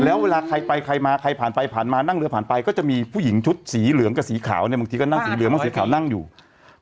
แล้วเวลาใครไปใครมาใครผ่านไปผ่านมานั่งเรือผ่านไปก็จะมีผู้หญิงชุดสีเหลืองกับสีขาวเนี่ยบางทีก็นั่งสีเหลืองบางสีขาวนั่งอยู่